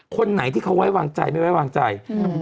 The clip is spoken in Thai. คนไหนที่เขาไว้วางใจไม่ไว้วางใจ